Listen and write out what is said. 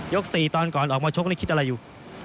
๔ตอนก่อนออกมาชกนี่คิดอะไรอยู่